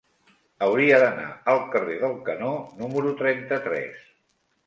Hauria d'anar al carrer del Canó número trenta-tres.